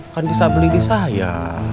kan bisa beli di saya